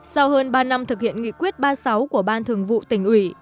sau hơn ba năm thực hiện nghị quyết ba mươi sáu của ban thường vụ tỉnh ủy